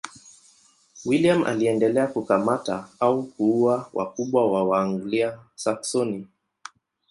William aliendelea kukamata au kuua wakubwa wa Waanglia-Saksoni.